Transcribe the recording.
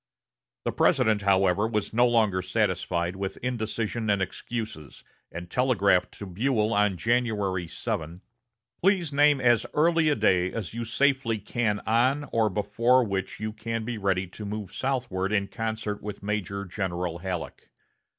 The President, however, was no longer satisfied with indecision and excuses, and telegraphed to Buell on January 7: "Please name as early a day as you safely can on or before which you can be ready to move southward in concert with Major General Halleck.